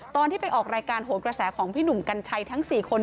ตอนที่ไปออกรายการโหนกระแสของพี่หนุ่มกัญชัยทั้ง๔คน